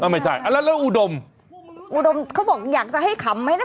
ไม่น่าใช่ไม่ใช่อันแล้วแล้วอุดมอุดมเขาบอกอยากจะให้คำไหมนะ